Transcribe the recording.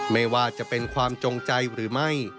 ไม่ว่าจะเป็นความจงใจหรือไม่